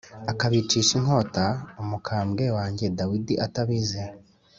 akabicisha inkota umukambwe wanjye Dawidi atabizi